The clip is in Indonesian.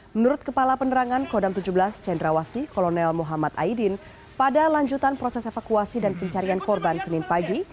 menurut kepala penerangan kodam tujuh belas cendrawasi kolonel muhammad aidin pada lanjutan proses evakuasi dan pencarian korban senin pagi